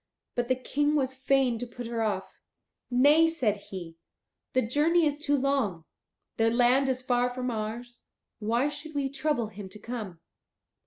But the King was fain to put her off. "Nay," said he, "the journey is too long. Their land is far from ours; why should we trouble him to come?